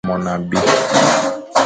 Ki mon abé.